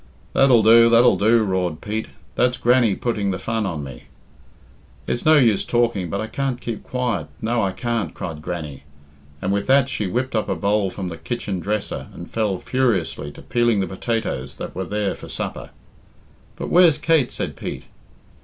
"That'll do, that'll do," roared Pete. "That's Grannie putting the fun on me." "It's no use talking, but I can't keep quiet; no I can't," cried Grannie, and with that she whipped up a bowl from the kitchen dresser and fell furiously to peeling the potatoes that were there for supper. "But where's Kate?" said Pete.